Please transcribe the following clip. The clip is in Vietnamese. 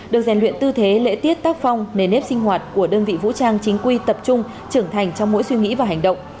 được rèn luyện tư thế lễ tiết tác phong nền nếp sinh hoạt của đơn vị vũ trang chính quy tập trung trưởng thành trong mỗi suy nghĩ và hành động